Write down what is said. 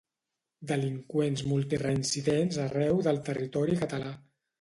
Delinqüents multireincidents arreu del territori català.